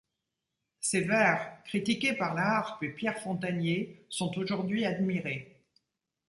Ces vers, critiqués par Laharpe et Pierre Fontanier, sont aujourd’hui admirés.